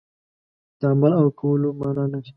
د عمل او کولو معنا لري.